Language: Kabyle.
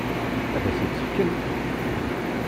Ad sen-tt-fken?